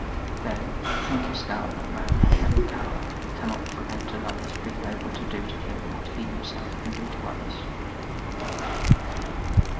Then, thinkest thou that man hath any power who cannot prevent another's being able to do to him what he himself can do to others?